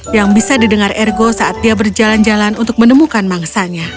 yang bisa didengar ergo saat dia berjalan jalan untuk menemukan mangsanya